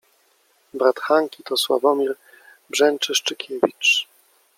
Brat Hanki to Sławomir Brzęczyszczykiewicz.